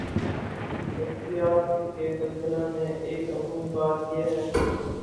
طبیعیات کے سلسلے میں ایک عمومی بات یہ ہے